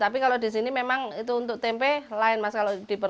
tapi kalau di sini tempe bacem itu memang lain